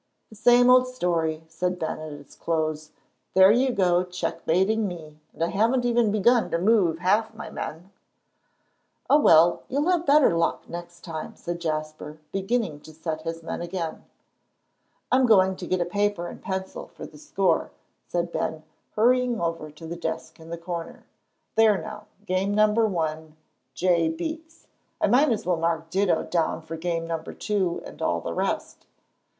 "The same old story," said Ben, at its close. "There you go checkmating me, and I haven't even begun to move half my men." "Oh, well, you'll have better luck next time," said Jasper, beginning to set his men again. "I'm going to get a paper and pencil for the score," said Ben, hurrying over to the desk in the corner. "There now, game number one, 'J' beats. I might as well mark ditto down for game number two and all the rest."